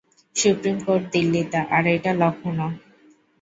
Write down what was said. Supreme court দিল্লিতে, আর এইটা লখনও।